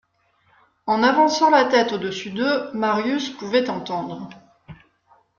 En avançant la tête au-dessus d'eux, Marius pouvait entendre.